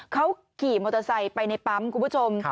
เขาขี่มอเตอร์ไซค์ไปในปั๊มคุณผู้ชม